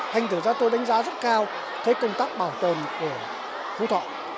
thành tựu ra tôi đánh giá rất cao cái công tác bảo tồn của khu thọ